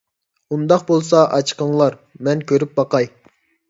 ئۇنداق بولسا ئاچىقىڭلار، مەن كۆرۈپ باقاي.